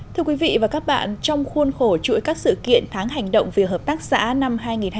thưa quý vị và các bạn trong khuôn khổ chuỗi các sự kiện tháng hành động về hợp tác xã năm hai nghìn hai mươi bốn